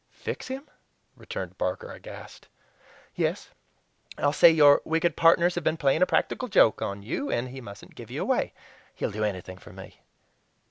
"Fix him?" returned Barker, aghast. "Yes, I'll say your wicked partners have been playing a practical joke on you, and he mustn't give you away. He'll do anything for me."